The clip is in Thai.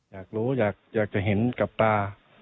อยากรู้อยากจะเห็นกับตา